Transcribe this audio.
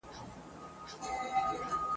نو پر تا به د قصاب ولي بری وای !.